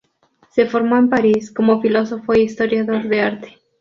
Se formó en París, como filósofo e historiador de arte.